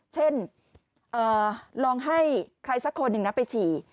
เช่นลองให้ใครสักคนหนึ่งนะไปฉี่